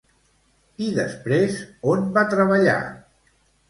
I després on va treballar?